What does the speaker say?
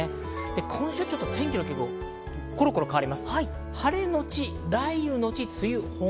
今週、天気の傾向はコロコロ変わります。